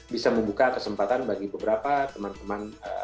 bisa membuka kesempatan bagi beberapa teman teman